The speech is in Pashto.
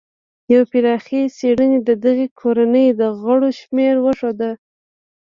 یوې پراخې څېړنې د دغې کورنۍ د غړو شمېر وښود.